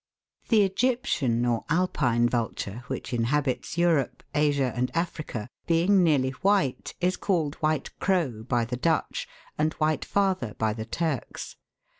The Egyptian or Alpine vulture, which inhabits Europe, Asia, and Africa, being nearly white, is called "White Crow " by the Dutch, and " White Father " by the Turks.